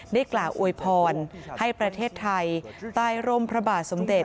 ได้กล่าวอวยพรให้ประเทศไทยใต้ร่มพระบาทสมเด็จ